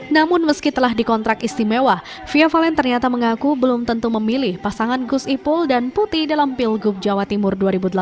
namun meski telah dikontrak istimewa fia valen ternyata mengaku belum tentu memilih pasangan gus ipul dan putih dalam pilgub jawa timur dua ribu delapan belas